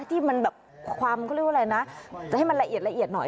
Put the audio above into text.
ที่มันแบบความเขาเรียกว่าอะไรนะจะให้มันละเอียดละเอียดหน่อย